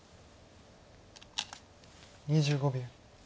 ２５秒。